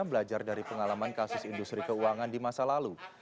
belajar dari pengalaman kasus industri keuangan di masa lalu